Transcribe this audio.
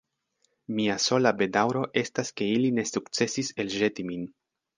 Mia sola bedaŭro estas ke ili ne sukcesis elĵeti min.